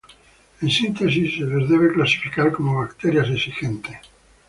En síntesis, se los debe clasificar como bacterias exigentes.